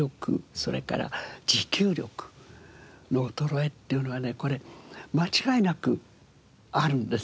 それから持久力の衰えっていうのはねこれ間違いなくあるんですね。